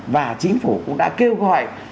và chính phủ cũng đã kêu gọi